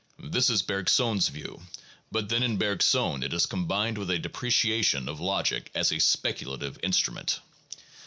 This is Bergson's view, but then in Bergson it is combined with a depreciation of logic as a speculative instrument.